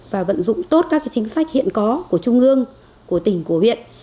và vận dụng tốt các chính sách hiện có của trung ương của tỉnh của huyện